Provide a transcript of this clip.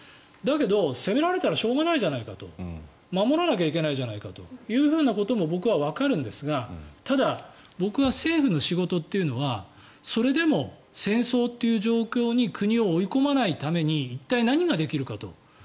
だけど、攻められたらしょうがないじゃないかと。守らなきゃいけないじゃないかということも僕はわかるんですがただ、僕は政府の仕事というのはそれでも戦争という状況に国を追い込まないために一体何ができるかと。